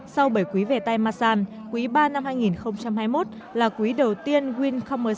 sau bảy quý về tay masan quý ba năm hai nghìn hai mươi một là quý đầu tiên wincommerce